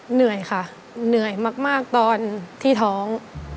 เหนื่อยค่ะเหนื่อยมากตอนที่ท้อง